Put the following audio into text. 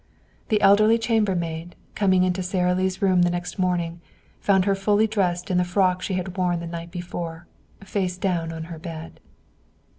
The elderly chambermaid, coming into Sara Lee's room the next morning, found her fully dressed in the frock she had worn the night before, face down on her bed.